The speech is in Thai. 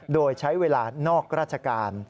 โดยใช้เวลานอกราชการ